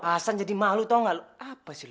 asan jadi malu tau ga lo apa sih lo